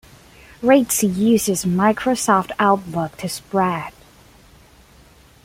Redesi uses Microsoft Outlook to spread.